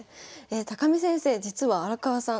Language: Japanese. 見先生実は荒川さん